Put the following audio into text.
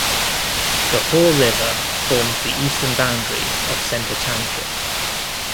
The Haw River forms the eastern boundary of Center Township.